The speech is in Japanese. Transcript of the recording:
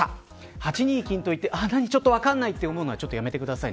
８二金といって、ちょっと分からないと思うのはやめてくださいね。